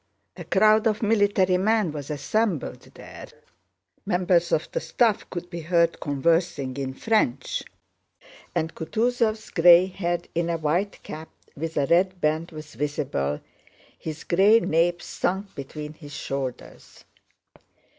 A crowd of military men was assembled there, members of the staff could be heard conversing in French, and Kutúzov's gray head in a white cap with a red band was visible, his gray nape sunk between his shoulders.